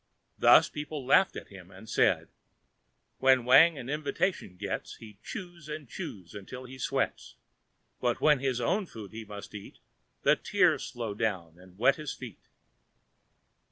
Thus people laughed at him and said: "When Wang an invitation gets, He chews and chews until he sweats, But, when his own food he must eat. The tears flow down and wet his feet."